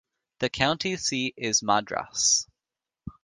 The county seat is Madras.